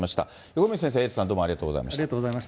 横道先生、エイト先生、どうもありがとうございました。